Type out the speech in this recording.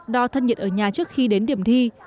đo thân nhiệt ở nhà trước khi đến điểm thi